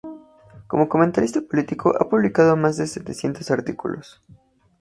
Como comentarista político ha publicado más de setecientos artículos.